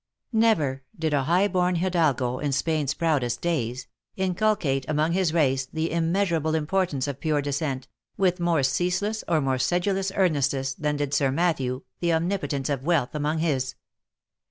Never did a high born Hidalgo, in Spain's proudest days, inculcate among his race the immeasurable importance of pure descent, with more ceaseless or more sedulous earnestness, than did Sir Matthew, the omnipotence of wealth among his.